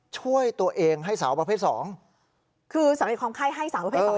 ช่วยตัวเองให้สาวประเภทสองคือสำเร็จความไข้ให้สาวประเภทสอง